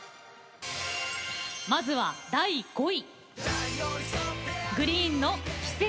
まずは第５位。